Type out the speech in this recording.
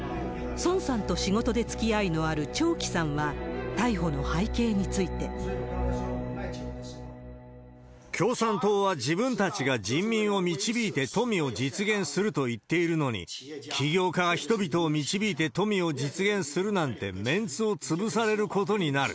孫さんと仕事でつきあいのある張毅さんは、逮捕の背景について。共産党は自分たちが人民を導いて富を実現すると言っているのに、企業家が人々を導いて富を実現するなんて、メンツを潰されることになる。